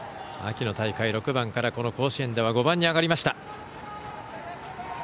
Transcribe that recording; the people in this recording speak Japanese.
秋の大会、６番からこの甲子園では５番に上がりました。